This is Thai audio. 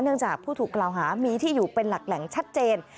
จากผู้ถูกกล่าวหามีที่อยู่เป็นหลักแหล่งชัดเจน